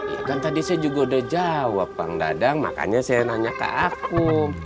iya kan tadi saya juga udah jawab pak dadang makanya saya nanya ke akum